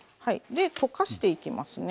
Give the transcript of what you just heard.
で溶かしていきますね。